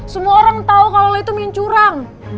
semua orang tau kalo lu itu mincurang